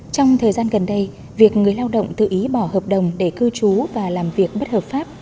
trong thời gian gần đây việc người lao động tự ý bỏ hợp đồng để cư trú và làm việc bất hợp pháp